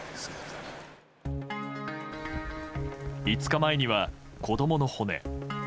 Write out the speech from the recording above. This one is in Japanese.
５日前には、子供の骨。